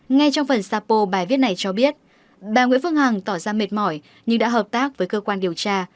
ngay trong phần sapo bài viết này cho biết bà nguyễn phương hằng tỏ ra mệt mỏi nhưng đã hợp tác với cơ quan điều tra